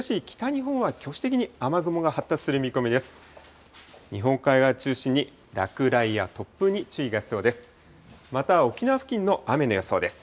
日本海側中心に、落雷や突風に注意が必要です。